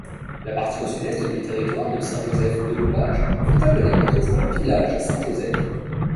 La partie au sud-est du territoire de Saint-Joseph-de-Lepage fut appelé autrefois Village Saint-Joseph.